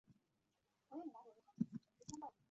担任中信集团武汉市建筑设计院院长。